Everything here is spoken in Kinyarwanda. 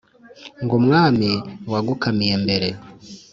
ngo umwami wagukamiye mbere